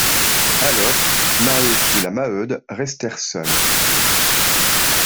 Alors, Maheu et la Maheude restèrent seuls.